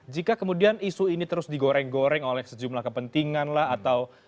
jika kemudian isu ini terus digoreng goreng oleh sejumlah kepentingan lah atau